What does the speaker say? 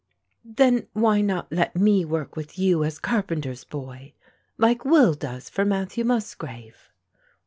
"Then why not let me work with you as carpenter's boy, like Will does for Matthew Musgrave?"